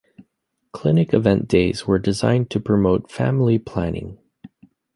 Clinic event days were designed to promote family planning.